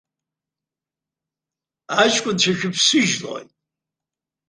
Аҷкәынцәа шәыԥсыжьлоит.